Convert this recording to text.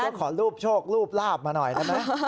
ต้องขอรูปโชครูปลาบมาหน่อยนะ